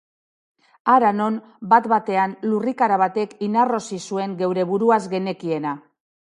Hara non, bat-batean, lurrikara batek inarrosi zuen geure buruaz genekiena.